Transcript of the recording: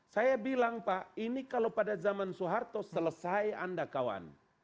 saya bilang pak ini kalau pada zaman soeharto selesai anda kawan